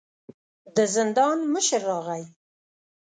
د زندان مشر راغی.